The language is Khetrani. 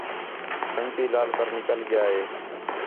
سنڳتی لال کر نِکل ڳِیا ہِے